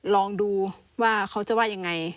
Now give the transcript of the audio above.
ลองดูว่าเขาจะว่ายังไง